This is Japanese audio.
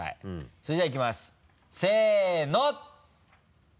それじゃあいきますせの！